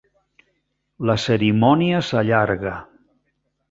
La cerimònia s'allarga.